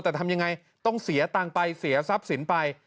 แต่ทำยังไงต้องเสียตังค์ไปเสียทรัพย์สินไป